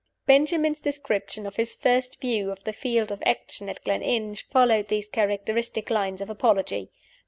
Benjamin's description of his first view of the field of action at Gleninch followed these characteristic lines of apology.